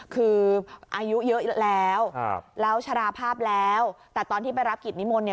คืออายุเยอะแล้วครับแล้วชราภาพแล้วแต่ตอนที่ไปรับกิจนิมนต์เนี่ย